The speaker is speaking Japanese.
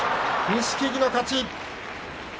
錦木の勝ち。